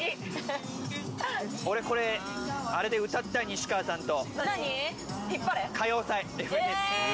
俺、これあれで歌った、西川さんと。